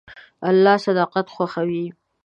الله صداقت خوښوي.